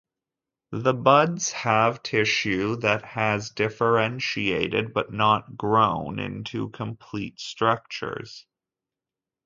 The buds have tissue that has differentiated but not grown into complete structures.